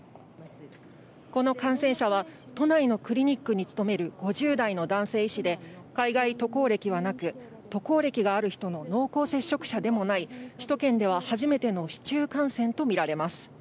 この感染者は、都内のクリニックに勤める５０代の男性医師で、海外渡航歴はなく、渡航歴がある人の濃厚接触者でもない、首都圏では初めての市中感染と見られます。